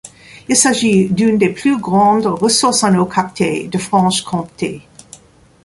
Il s'agit d'une des plus grandes ressources en eau captée de Franche-Comté.